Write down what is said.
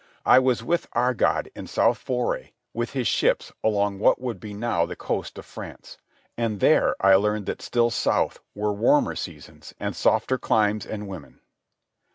I was with Agard in south foray with his ships along what would be now the coast of France, and there I learned that still south were warmer seasons and softer climes and women.